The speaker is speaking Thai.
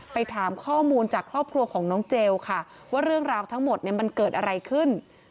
ไปถามข้อมูลจากครอบครัวของน้องเจลค่ะว่าเรื่องราวทั้งหมดเนี่ยมันเกิดอะไรขึ้น